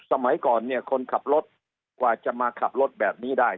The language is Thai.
สมัยก่อนเนี่ยคนขับรถกว่าจะมาขับรถแบบนี้ได้